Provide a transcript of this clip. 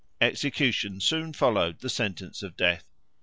Execution soon followed the sentence of death.